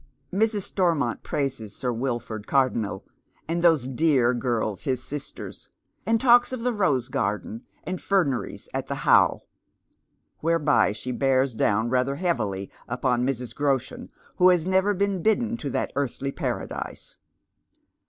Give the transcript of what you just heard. Mrs. k^toiTOont praises Sir Wilford Cardonnel, and those dear girls his Hi.Hlers, and talks of the rose garden and ferneries at the How ; whereby she bears down rather heavily upon M ra. Groshen, who has never been bidden to tJiat earthly paradise.